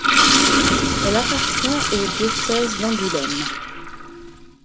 Elle appartient au diocèse d’Angoulême.